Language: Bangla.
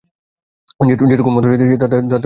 যেটুকু মদ এনেছিস তাতে কিছুই হয় নি।